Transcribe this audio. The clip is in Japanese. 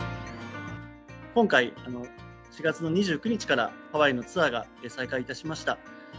今回、４月の２９日からハワイのツアーが再開いたしました。